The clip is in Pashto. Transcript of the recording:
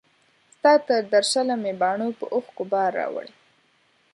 ستا تر درشله مي باڼو په اوښکو بار راوړی